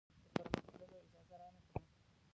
د پر مخ تللو اجازه رانه کړه.